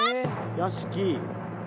屋敷。